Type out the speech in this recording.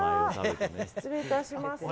失礼いたします。